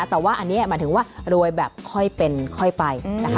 แต่ว่าอันนี้หมายถึงว่ารวยแบบค่อยเป็นค่อยไปนะคะ